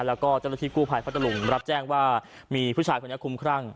แล้วก็เจ้าหน้าที่กู้ภัยพัทธลุงรับแจ้งว่ามีผู้ชายคนนี้คุ้มครั่ง